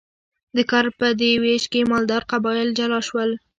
د کار په دې ویش کې مالدار قبایل جلا شول.